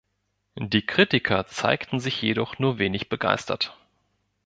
Die Kritiker zeigten sich jedoch nur wenig begeistert.